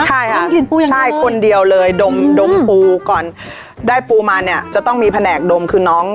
ใช่ค่ะต้องกินปูอย่างเดียวใช่คนเดียวเลยดมดมปูก่อนได้ปูมาเนี่ยจะต้องมีแผนกดมคือน้อง